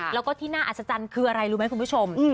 แล้วก็ที่น่าอัศจรรย์คืออะไรรู้ไหมคุณผู้ชม